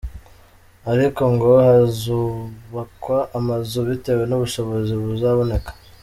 Ariko Ngo hazubakwa amazu bitewe n’ubushobozi buzaboneka.